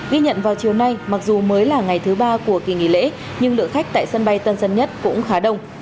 ghi nhận vào chiều nay mặc dù mới là ngày thứ ba của kỳ nghỉ lễ nhưng lượng khách tại sân bay tân dân nhất cũng khá đông